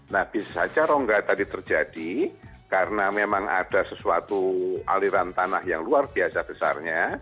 nah bisa saja rongga tadi terjadi karena memang ada sesuatu aliran tanah yang luar biasa besarnya